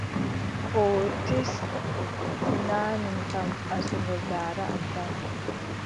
Koo tis, sinaa min kam asngol daada am tan.